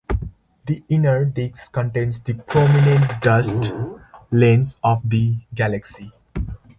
The inner disk contains the prominent dust lanes of the galaxy.